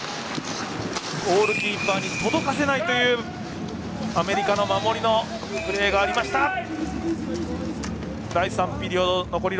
ゴールーキーパーに届かせないというアメリカの守りのプレーがありました。